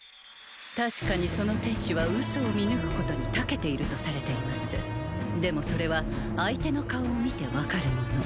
確かにその天使は嘘を見抜くことにたけているとされていますでもそれは相手の顔を見て分かるもの